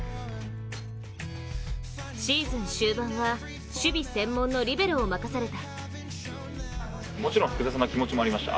シーズン終盤は、守備専門のリベロを任された。